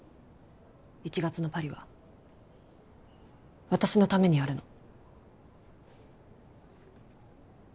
１月のパリは私のためにあるの。